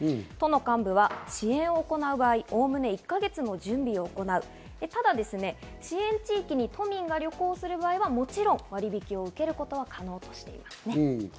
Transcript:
都の幹部は支援を行う場合、概ね１か月の準備を行う、ただ支援地域に都民が旅行をする場合は割引を受けることは可能としています。